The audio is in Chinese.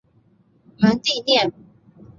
蒙蒂涅。